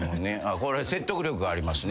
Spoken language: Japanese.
これ説得力ありますね。